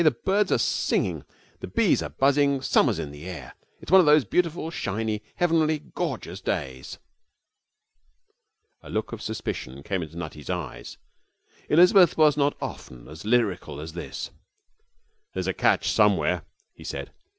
The birds are singing, the bees are buzzing, summer's in the air. It's one of those beautiful, shiny, heavenly, gorgeous days.' A look of suspicion came into Nutty's eyes. Elizabeth was not often as lyrical as this. 'There's a catch somewhere,' he said.